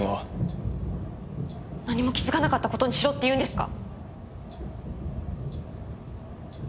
何も気づかなかった事にしろって言うんですか？